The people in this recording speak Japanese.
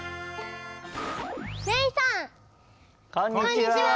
こんにちは。